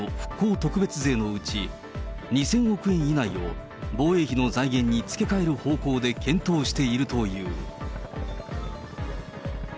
特別税のうち、２０００億円以内を防衛費の財源に付け替える方向で検討しているという。